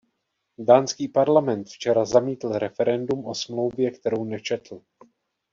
Dánský parlament včera zamítl referendum o smlouvě, kterou nečetl.